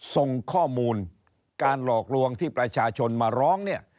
ส่งข้อมูลการหลอกลวงที่ประชาชนมาร้องเนี่ย